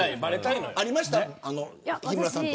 ありましたか、日村さんと。